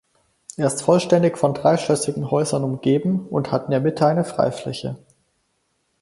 Er ist vollständig von dreigeschossigen Häusern umgeben und hat in der Mitte eine Freifläche.